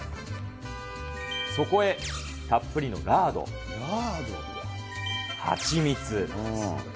そこへたっぷりのラード、蜂蜜。